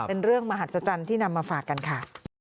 เป็นเรื่องมหัศจรรย์ที่นำมาฝากกันค่ะ